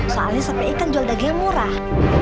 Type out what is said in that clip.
soalnya sapi kan jual daging yang murah